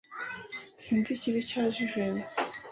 Sinzi ikibi cya Jivency.